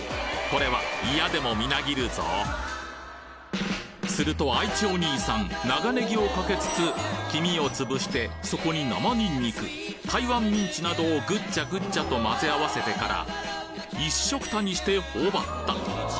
これは嫌でもみなぎるぞすると愛知お兄さん長ネギをかけつつ黄身を潰してそこに生ニンニク台湾ミンチなどをぐっちゃぐっちゃと混ぜ合わせてから一緒くたにして頬張った！